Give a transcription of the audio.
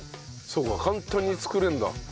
そうか簡単に作れるんだ。